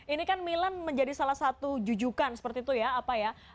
ini kan milan menjadi salah satu jujukan seperti itu ya apa ya